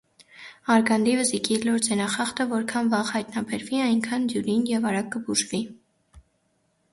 Արգանդի վզիկի լորձենախախտը որքան վաղ հայտնաբերվի, այնքան դյուրին և արագ կբուժվի։